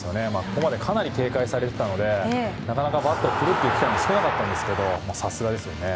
ここまでかなり警戒されていたのでなかなかバットを振るという機会も少なかったんですけどさすがですね。